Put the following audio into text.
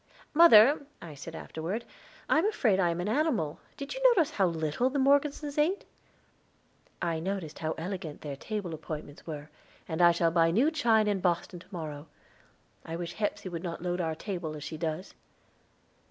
"Mother," I said afterward, "I am afraid I am an animal. Did you notice how little the Morgesons ate?" "I noticed how elegant their table appointments were, and I shall buy new china in Boston to morrow. I wish Hepsey would not load our table as she does."